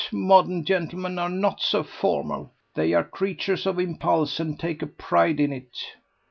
Modern gentlemen are not so formal; they are creatures of impulse and take a pride in it.